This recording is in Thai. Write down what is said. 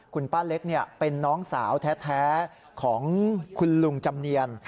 คุณป้าเล็กเป็นน้องสาวแท้ของคุณลุงจำเนียน